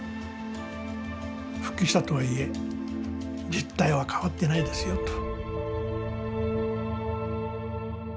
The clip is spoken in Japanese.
復帰したとはいえ実態は変わってないですよと。